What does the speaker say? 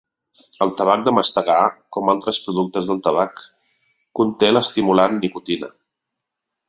El tabac de mastegar, com altres productes del tabac, conté l'estimulant nicotina.